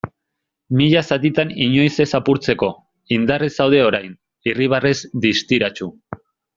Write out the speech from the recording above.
Mila zatitan inoiz ez apurtzeko, indarrez zaude orain, irribarrez distiratsu.